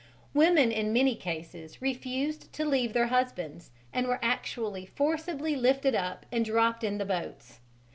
Women in many cases refused to leave their husbands, and were actually forcibly lifted up and dropped in the boats.